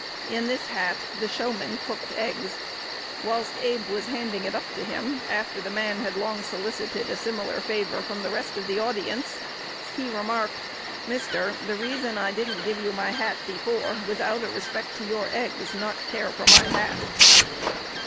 In this hat the "showman cooked eggs." Whilst Abe was handing it up to him, after the man had long solicited a similar favor from the rest of the audience, he remarked, "Mister, the reason I didn't give you my hat before was out of respect to your eggs, not care for my hat."